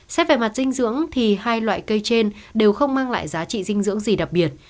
xét về mặt dinh dưỡng thì hai loại cây trên đều không mang lại giá trị dinh dưỡng gì đặc biệt